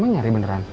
emang nyari beneran